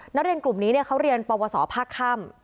นักเรียนกลุ่มนี้เขาเรียนปวสอภาคค่ำ